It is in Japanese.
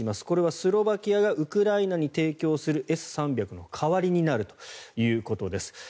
これはスロバキアがウクライナに提供するＳ３００の代わりになるということです。